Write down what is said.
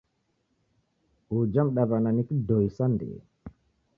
Uja mdaw'ana ni kidoi sa ndee.